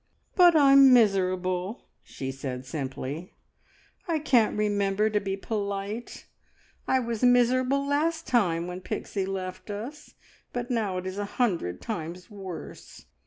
"But I'm miserable," she said simply. "I can't remember to be polite. I was miserable last time when the Pixie left us, but now it is a hundred times worse.